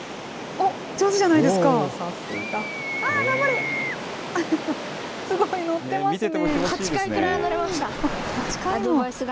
おっ、上手じゃないですか、さすが。